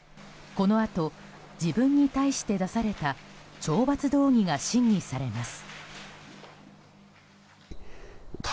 このあと自分に対して出された懲罰動議が審議されます。